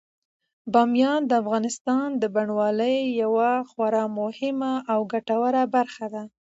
بامیان د افغانستان د بڼوالۍ یوه خورا مهمه او ګټوره برخه ده.